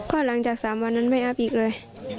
ก็หลังจาก๓วันนั้นไม่อัพอีกเลย